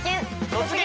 「突撃！